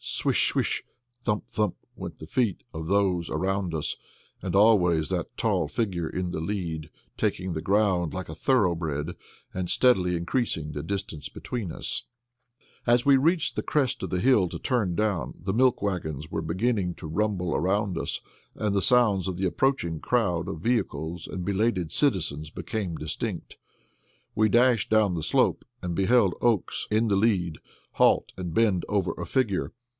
Swish, swish! thump, thump! went the feet of those around us and always that tall figure in the lead, taking the ground like a thoroughbred, and steadily increasing the distance between us. As we reached the crest of the hill to turn down, the milk wagons were beginning to rumble behind us and the sounds of the approaching crowd of vehicles and belated citizens became distinct. We dashed down the slope and beheld Oakes in the lead halt, and bend over a figure.